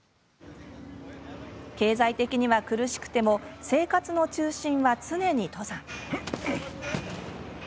経済的には苦しくても生活の中心は常に登山。